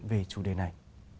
về chủ đề này